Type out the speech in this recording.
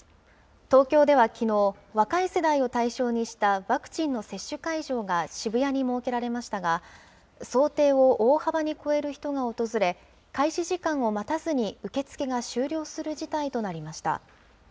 東京ではきのう、若い世代を対象にした、ワクチンの接種会場が渋谷に設けられましたが、想定を大幅に超える人が訪れ、開始時間を待たずに受け付けが終了する事態となりました。